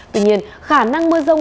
tuy nhiên khả năng mưa rông